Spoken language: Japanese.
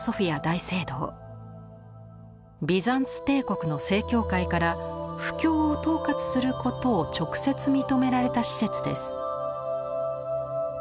ビザンツ帝国の正教会から布教を統括することを直接認められた施設です。